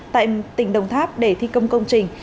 tại tỉnh đồng tháp để thi công công trình